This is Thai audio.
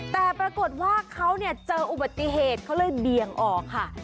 แต่ปรากฏว่าเขาเจออุบัติเหตุเขาเลยเบี่ยงออกค่ะ